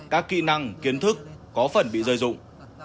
các kỹ năng kiến thức có phần bị dây dụng